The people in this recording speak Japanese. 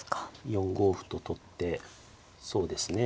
４五歩と取ってそうですね